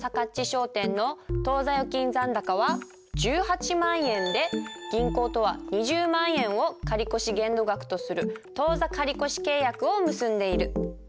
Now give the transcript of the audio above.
商店の当座預金残高は１８万円で銀行とは２０万円を借越限度額とする当座借越契約を結んでいる。